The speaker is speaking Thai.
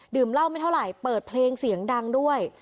เหล้าไม่เท่าไหร่เปิดเพลงเสียงดังด้วย